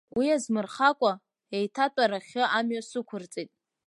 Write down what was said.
Уи азмырхакәа, еиҭа атәрахьы амҩа сықәырҵеит.